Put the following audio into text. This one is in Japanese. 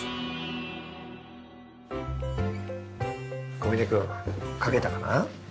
小峰君描けたかな？